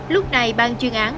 lúc này bang chuyên án